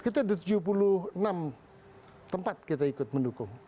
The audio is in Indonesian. kita di tujuh puluh enam tempat kita ikut mendukung